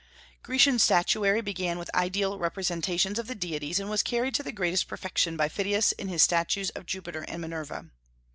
Grecian statuary began with ideal representations of the deities, and was carried to the greatest perfection by Phidias in his statues of Jupiter and Minerva.